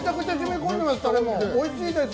おいしいです！